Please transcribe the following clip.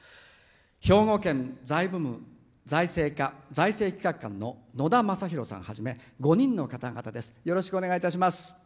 兵庫県財務部財務課財政企画官の野田政裕さんはじめ５人の方々です。